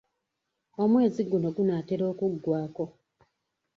Omwezi guno gunaatera okuggwako.